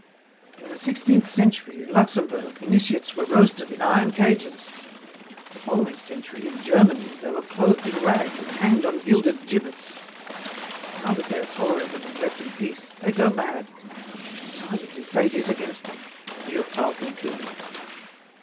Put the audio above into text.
"In the sixteenth century, in Luxemburg, initiates were roasted in iron cages. The following century, in Germany, they were clothed in rags and hanged on gilded gibbets. Now that they are tolerated and left in peace they go mad. Decidedly, fate is against them," Durtal concluded.